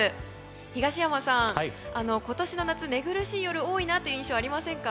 東山さん、今年の夏寝苦しい夜が多いなという印象がありませんか？